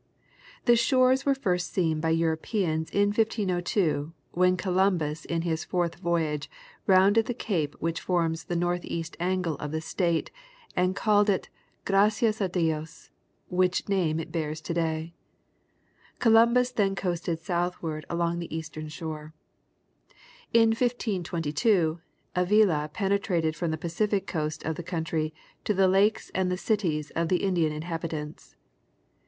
The shores were first seen by Europeans in 1502, when Colum bus in his fourth voyage rounded the cape which forms the northeast angle of the state, and called it " Gracias a Dios," which name it bears to daj^ Columbus then coasted southward along the eastern shore. In 1522, Avila, penetrated from the Pacific coast of the coun try to the lakes and the cities of the Indian inhabitants.